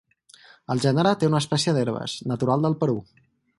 El gènere té una espècie d'herbes, natural del Perú.